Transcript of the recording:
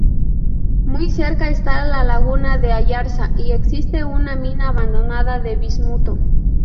Muy cerca está la laguna de Ayarza y existe una mina abandonada de bismuto.